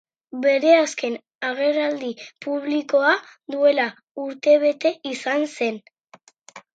Bere azken agerraldi-publikoa duela urtebete izan zen.